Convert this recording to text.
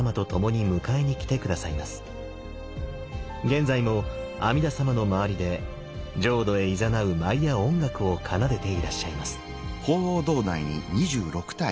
現在も阿弥陀様の周りで浄土へいざなう舞や音楽を奏でていらっしゃいます。